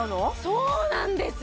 そうなんです！